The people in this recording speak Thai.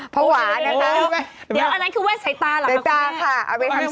พระหวานะครับเดี๋ยวอันนั้นคือแว่นใส่ตาหรือเปล่าครับคุณแม่ใส่ตาค่ะ